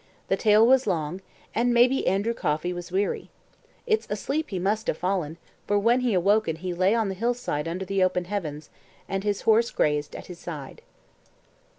The tale was long, and may be Andrew Coffey was weary. It's asleep he must have fallen, for when he awoke he lay on the hill side under the open heavens, and his horse grazed at his side.